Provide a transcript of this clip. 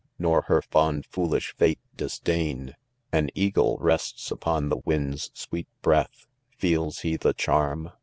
— nor her fond foolish fate disdain 5 — An eagle rests upon the wind's sweet breath Feels he the charm?